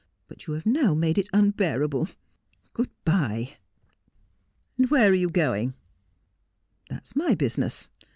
But you have now made it unbearable. Good bye.' ' Where are you going ?' 'That is my business.